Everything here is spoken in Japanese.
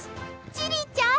チリちゃん。